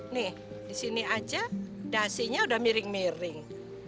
nih di sini aja dasinya udah miring miring